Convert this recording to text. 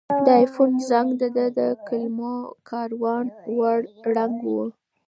د آیفون زنګ د ده د کلمو کاروان ور ړنګ کړ.